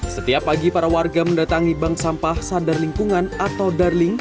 setiap pagi para warga mendatangi bank sampah sadar lingkungan atau darling